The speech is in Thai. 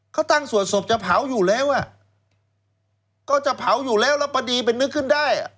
เขาตั้งสวดศพจะเผาอยู่แล้วอ่ะก็จะเผาอยู่แล้วแล้วพอดีไปนึกขึ้นได้